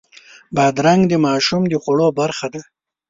بادرنګ د ماشوم د خوړو برخه ده.